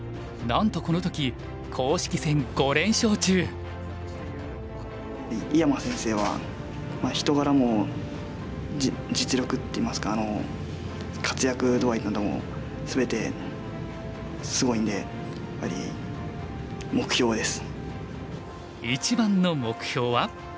なんとこの時井山先生は人柄も実力っていいますか活躍度合いなども全てすごいんでやっぱり目標です。